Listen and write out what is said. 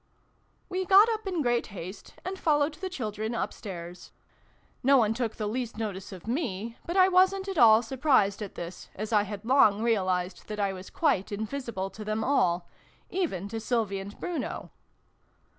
We got up in great haste, and followed the children upstairs. No one took the least notice of me, but I wasn't at all surprised at this, as I had long realised that I was quite invisible to them all even to Sylvie and Bruno.